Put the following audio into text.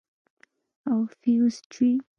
او فيوز چوي.